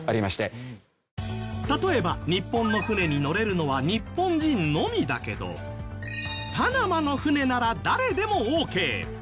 例えば日本の船に乗れるのは日本人のみだけどパナマの船なら誰でもオーケー。